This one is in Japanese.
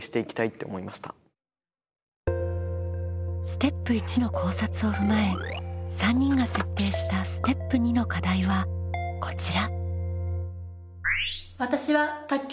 ステップ１の考察を踏まえ３人が設定したステップ２の課題はこちら。